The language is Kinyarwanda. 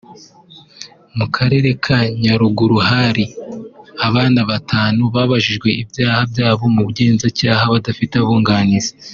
mu karere ka Nyarugenge hari abana batanu babajijwe ibyaha byabo mu Bugenzacyaha badafite abunganizi